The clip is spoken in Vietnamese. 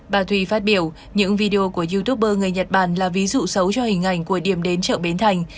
bà thùy phát biểu những video của youtuber người nhật bản là ví dụ xấu cho hình ảnh của điểm đến chợ bến thành